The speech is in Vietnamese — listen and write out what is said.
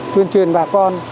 tuyên truyền bà con